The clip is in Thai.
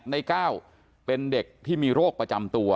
ใน๙เป็นเด็กที่มีโรคประจำตัว